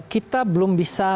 kita belum bisa